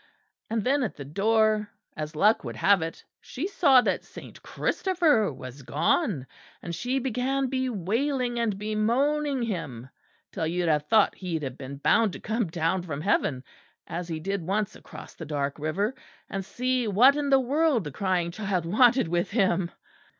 And then at the door, as luck would have had it, she saw that Saint Christopher was gone; and she began bewailing and bemoaning him until you'd have thought he'd have been bound to come down from heaven, as he did once across the dark river, and see what in the world the crying child wanted with him."